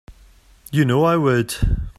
You know I would.